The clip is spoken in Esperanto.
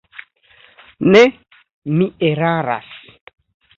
Ne, mi eraras.